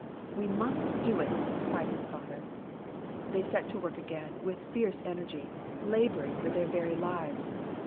"We must do it!" cried his father. They set to work again with fierce energy, laboring for their very lives.